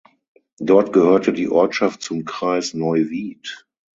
Dort gehörte die Ortschaft zum Kreis Neuwied.